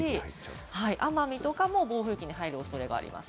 奄美とかも暴風域に入る恐れがあります。